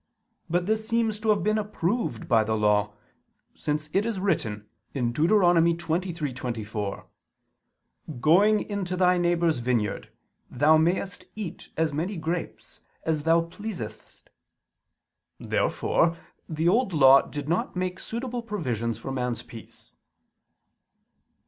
But this seems to have been approved by the Law: since it is written (Deut. 23:24): "Going into thy neighbor's vineyard, thou mayest eat as many grapes as thou pleasest." Therefore the Old Law did not make suitable provisions for man's peace.